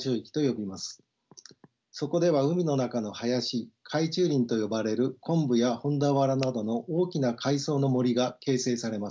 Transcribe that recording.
そこでは海の中の林海中林と呼ばれるコンブやホンダワラなどの大きな海藻の森が形成されます。